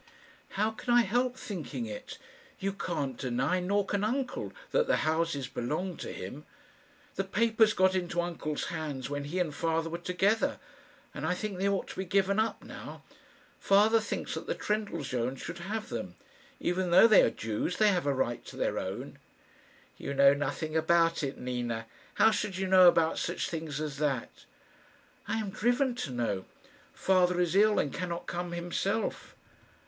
"How can I help thinking it? You can't deny, nor can uncle, that the houses belong to him. The papers got into uncle's hands when he and father were together, and I think they ought to be given up now. Father thinks that the Trendellsohns should have them. Even though they are Jews, they have a right to their own." "You know nothing about it, Nina. How should you know about such things as that?" "I am driven to know. Father is ill, and cannot come himself."